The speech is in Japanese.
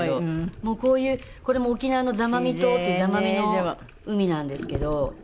もうこういうこれも沖縄の座間味島っていう座間味の海なんですけど。